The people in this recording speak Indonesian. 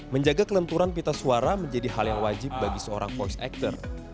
menjaga kelenturan pita suara menjadi hal yang wajib bagi seorang voice actor